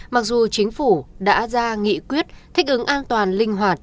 mặc dù chính phủ đã ra nghị quyết thích ứng an toàn linh hoạt